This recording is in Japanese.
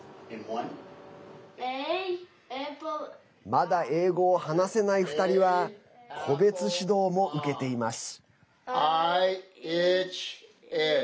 まだ英語を話せない２人は個別指導も受けています。